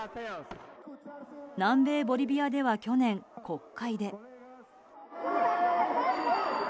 南米ボリビアでは去年、国会で。